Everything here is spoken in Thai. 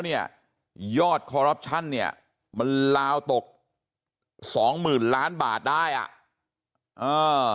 เนี่ยยอดคอรัปชั่นเนี่ยมันลาวตกสองหมื่นล้านบาทได้อ่ะเออ